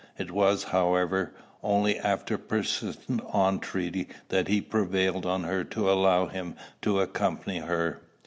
It was, however, only after persistent entreaty that he prevailed on her to allow him to accompany her.